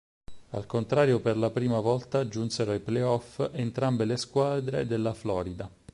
Al contrario per la prima volta giunsero ai playoff entrambe le squadre della Florida.